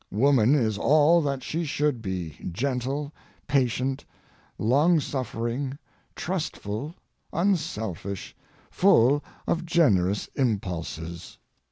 Woman is all that she should be—gentle, patient, longsuffering, trustful, unselfish, full of generous impulses.